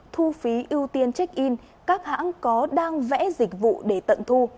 thu phí ưu tiên check in các hãng có đang vẽ dịch vụ để tận thu